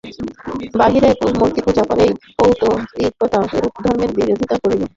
বাহিরে মূর্তিপূজা করাই পৌত্তলিকতা, এরূপ ধর্মের বিরোধিতা করিব।